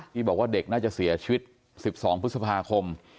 ที่บอกว่าเด็กน่าจะเสียชีวิต๑๒พฤษภาคม